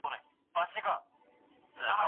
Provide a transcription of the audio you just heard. لوستل د ښوونکي له خوا کيږي.